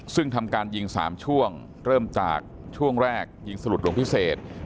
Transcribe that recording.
ซึ่งทำการยิง๓ช่วงเริ่มจากช่วงแรกยิงสลุดลงพิเศษ